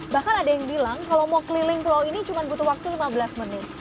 bahkan ada yang bilang kalau mau keliling pulau ini cuma butuh waktu lima belas menit